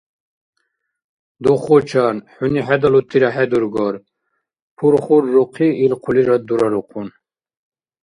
— Духучан, хӀуни хӀедалутира хӀедургар, — пурхуррухъи, ил хъулирад дурарухъун.